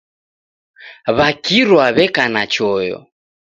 W'akirwa w'eka na choyo .